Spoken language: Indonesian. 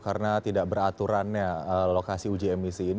karena tidak beraturannya lokasi uji emisi ini